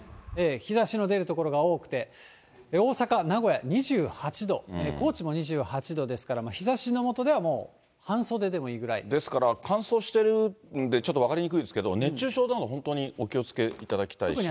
日ざしの出る所が多くて、大阪、名古屋、２８度、高知２８度ですから、日ざしの下では、ですから、乾燥してるんで、ちょっと分かりにくいですけど、熱中症なども本当にお気をつけいただきたいし。